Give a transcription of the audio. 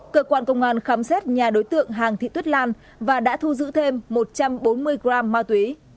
cơ quan công an khám xét nhà đối tượng hàng thị tuyết lan và đã thu giữ thêm một trăm bốn mươi g ma túy